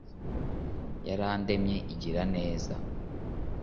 yarandemye ingira umuntu